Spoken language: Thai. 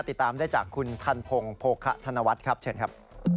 ติดตามได้จากคุณทันพงศ์โภคะธนวัฒน์ครับเชิญครับ